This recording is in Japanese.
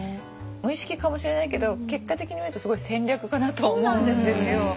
無意識かもしれないけど結果的に見るとすごい戦略家だと思うんですよ。